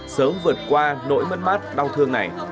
sớm vượt qua nỗi mất mát đau thương này